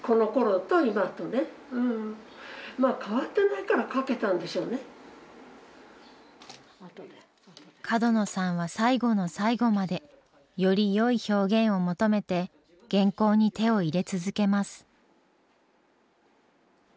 だからでもね角野さんは最後の最後までよりよい表現を求めて原稿に手を入れ続けます。